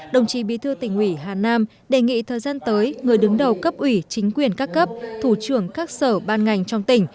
đồng chí bí thư tỉnh ủy hà nam đề nghị thời gian tới người đứng đầu cấp ủy chính quyền các cấp thủ trưởng các sở ban ngành trong tỉnh